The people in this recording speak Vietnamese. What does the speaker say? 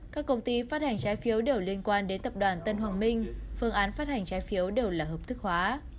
các công ty phát hành trái phiếu đều liên quan đến tập đoàn tân hoàng minh phương án phát hành trái phiếu đều là hợp thức hóa